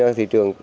ở thị trường